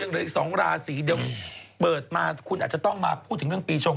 ใต้ราสีเดียวเปิดมาคุณอาจจะต้องมาพูดถึงเรื่องปีชง